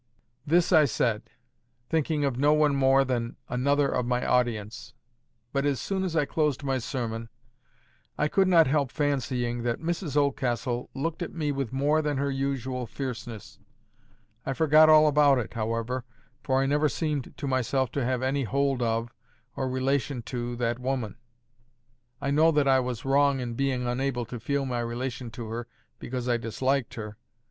This I said, thinking of no one more than another of my audience. But as I closed my sermon, I could not help fancying that Mrs Oldcastle looked at me with more than her usual fierceness. I forgot all about it, however, for I never seemed to myself to have any hold of, or relation to, that woman. I know I was wrong in being unable to feel my relation to her because I disliked her.